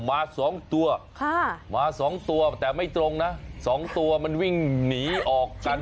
มา๒ตัวมา๒ตัวแต่ไม่ตรงนะ๒ตัวมันวิ่งหนีออกกัน